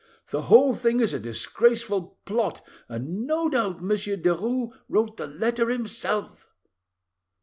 The whole thing is a disgraceful plot, and no doubt Monsieur Derues wrote the letter himself."